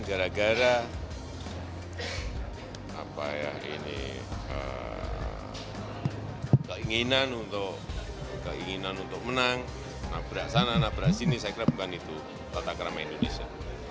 gara gara keinginan untuk keinginan untuk menang nabrak sana nabrak sini saya kira bukan itu tata kerama indonesia